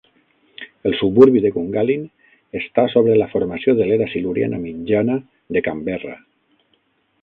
El suburbi de Gungahlin està sobre la formació de l'era siluriana mitjana de Canberra.